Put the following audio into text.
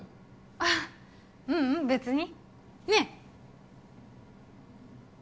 あっううん別にねえ？